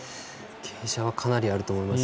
傾斜はかなりあると思います。